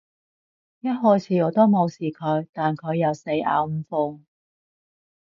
一開始，我都無視佢，但佢又死咬唔放